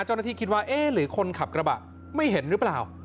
คิดว่าเอ๊ะหรือคนขับกระบะไม่เห็นหรือเปล่า